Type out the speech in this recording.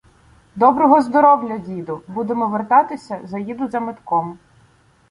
— Доброго здоровля, діду! Будемо вертатися — заїду за медком.